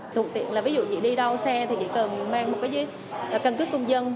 thuận tiện là ví dụ như đi đao xe thì chỉ cần mang một cái cân cước công dân